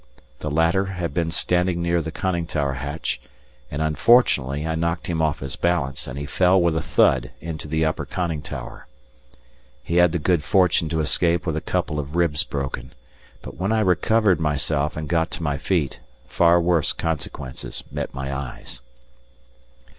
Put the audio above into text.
The latter had been standing near the conning tower hatch, and unfortunately I knocked him off his balance, and he fell with a thud into the upper conning tower. He had the good fortune to escape with a couple of ribs broken, but when I recovered myself and got to my feet, far worse consequences met my eyes.